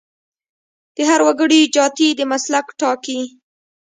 د هر وګړي جاتي د مسلک ټاکي.